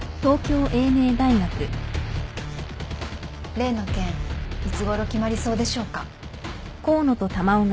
例の件いつごろ決まりそうでしょうか？